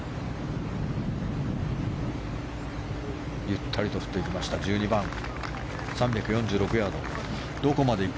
ゆったりと振っていきました１２番、３４６ヤード。